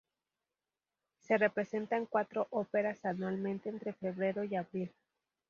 Se representan cuatro óperas anualmente entre febrero y abril.